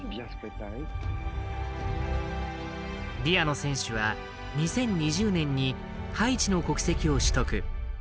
ビアノ選手は２０２０年にハイチの国籍を取得。